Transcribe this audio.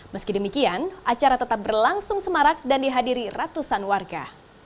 meski demikian acara tetap berlangsung semarak dan dihadiri ratusan warga